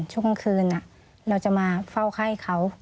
ช่วงคืนเราจะมาเฝ้าไข้เขา